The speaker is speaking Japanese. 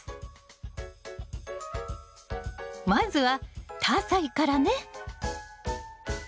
まずはタアサイからね。